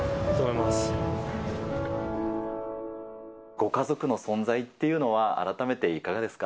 ご家族の存在っていうのは、改めていかがですか？